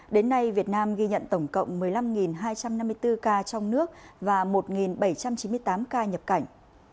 đến nay việt nam ghi nhận tổng cộng một mươi năm hai trăm năm mươi bốn ca trong nước và một bảy trăm chín mươi tám ca nhập cảnh